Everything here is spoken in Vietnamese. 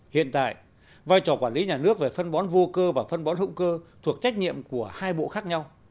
hiện tại vai trò quản lý nhà nước về phân bón vô cơ và phân bón hữu cơ thuộc trách nhiệm của hai bộ khác nhau